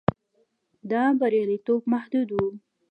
دا بریالیتوب محدود و.